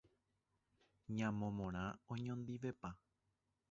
Ñamomorã oñondivepa.